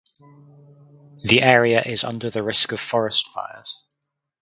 The area is under the risk of forest fires.